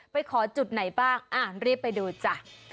ไปขอจุดไหนบ้างรีบไปดูจ้ะ